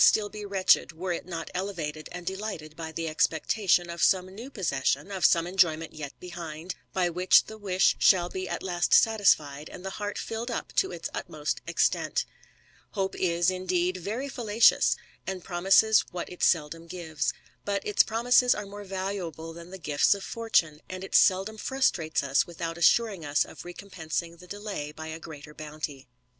still be wretched, were it not elevated and delighted by the expectation of some new possession, of some enjoyment yet behind, by which the wish shall be at last satisfied, and the heart filled up to its utmost extent Hope is, indeed, very fallacious, and promises what it seldom gives j but its promises are more valuable than the gifts of fortune, and it seldom fiiistrates us without assuring us of recompensing the delay by a greats bounty.